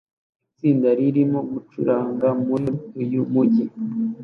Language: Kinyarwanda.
Itsinda ririmo gucuranga muri uyu mujyi